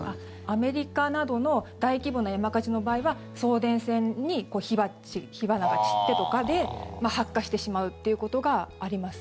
アメリカなどの大規模な山火事の場合は送電線に火花が散ってとかで発火してしまうということがあります。